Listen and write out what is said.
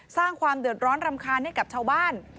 สร้างความเดือดร้อนรำคาญให้กับชาวบ้าน